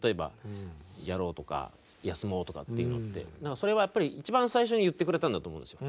それはやっぱり一番最初に言ってくれたんだと思うんですよ。